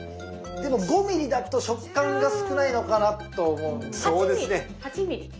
でも５ｍｍだと食感が少ないのかなと思うんですよね。